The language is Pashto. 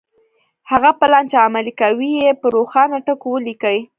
هغه پلان چې عملي کوئ يې په روښانه ټکو وليکئ.